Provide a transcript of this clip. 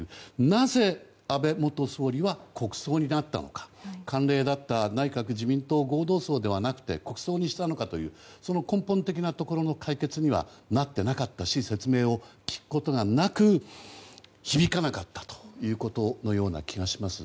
なぜ安倍元総理は国葬になったのか、慣例だった内閣・自民党合同葬ではなくて国葬にしたのかというその根本的なところの解決にはなっていなかったし説明を聞くことがなく響かなかったことのような気がします。